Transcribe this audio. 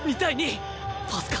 パスか？